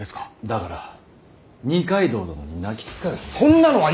だから二階堂殿に泣きつかれたのだ。